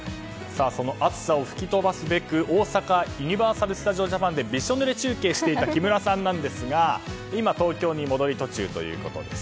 その暑さを吹き飛ばすべく大阪ユニバーサル・スタジオ・ジャパンでびしょぬれ中継していた木村さんですが今、東京に戻り途中ということです。